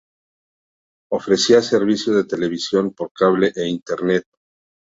Ofrecía servicios de televisión por cable e Internet.